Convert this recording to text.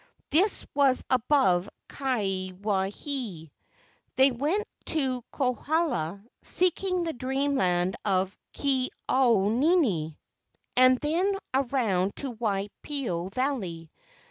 This was above Kawaihae. They went to Kohala, seeking the dream land of Ke au nini, and then around to Waipio Valley.